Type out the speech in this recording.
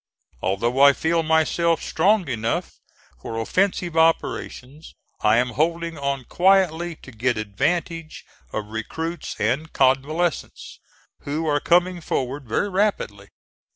Although I feel myself strong enough for offensive operations, I am holding on quietly to get advantage of recruits and convalescents, who are coming forward very rapidly.